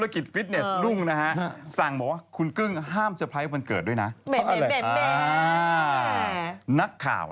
ขอบคุณค่ะ